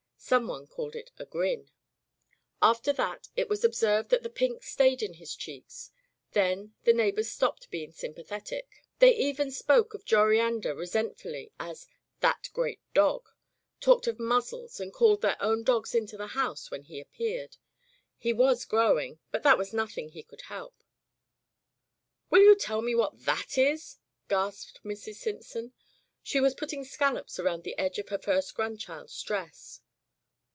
Someone called it a grin. After that it was observed that the pink stayed in his cheeks. Then the neighbors stopped being sympa [ 260] Digitized by LjOOQ IC The Convalescence of Gerald thetic. They even spoke of Joriander resent fully as "that great dog/' talked of muzzles and called their own dogs into the house when he appeared. He was growing, but that was nothing he could help. "Will you tell me v/hat that is?" gasped Mrs. Simpson. She was putting scallops around the edge of her first grandchild's dress.